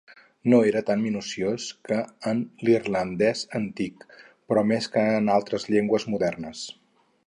No era tan minuciós que en l'irlandès antic, però més que en altres llengües modernes.